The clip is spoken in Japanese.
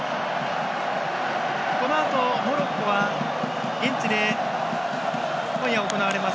このあと、モロッコは現地で今夜行われます